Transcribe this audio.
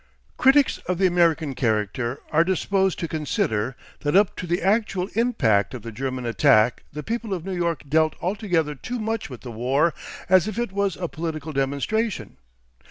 Critics of the American character are disposed to consider that up to the actual impact of the German attack the people of New York dealt altogether too much with the war as if it was a political demonstration.